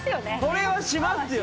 それはしますよ。